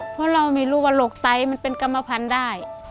เพราะเราไม่รู้ว่าโรคไตมันเป็นกรรมพันธุ์ได้